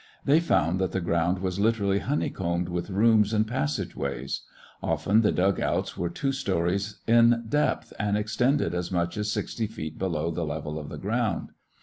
They found that the ground was literally honeycombed with rooms and passageways. Often the dugouts were two stories in depth and extended as much as sixty feet below the level of the ground.